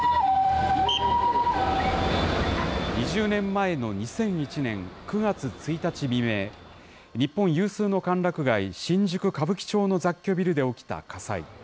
２０年前の２００１年９月１日未明、日本有数の歓楽街、新宿・歌舞伎町の雑居ビルで起きた火災。